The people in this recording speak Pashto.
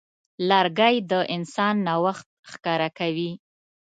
لرګی د انسان نوښت ښکاره کوي.